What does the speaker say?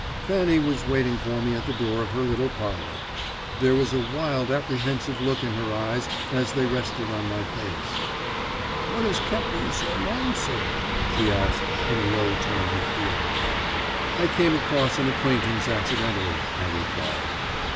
Fanny was waiting for me at the door of her little parlour. There was a wild apprehensive look in her eyes as they rested on my face. "What has kep you so long, sir?" she asked in a low tone of fear. "I came across an acquaintance accidentally," I replied.